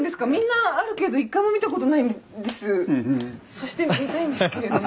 そして見たいんですけれども。